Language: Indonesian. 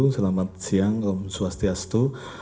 selamat siang om swastiastu